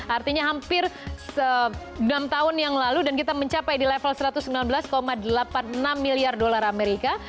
artinya hampir enam tahun yang lalu dan kita mencapai di level satu ratus sembilan belas delapan puluh enam miliar dolar amerika